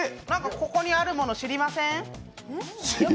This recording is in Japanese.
ここにあるもの、知りません？